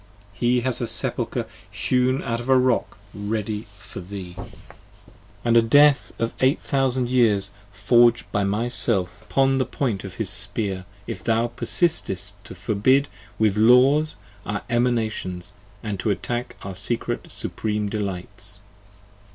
He has a Sepulcher hewn out of a Rock ready for thee: 41 G And a Death of Eight thousand years forg'd by thyself, upon The point of his Spear! if thou persistest to forbid with Laws Our Emanations, and to attack our secret supreme delights.